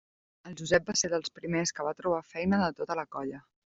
El Josep va ser dels primers que va trobar feina de tota la colla.